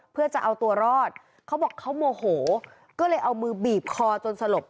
เพื่อจะเอาตัวรอดเขาบอกเขาโมโหก็เลยเอามือบีบคอจนสลบ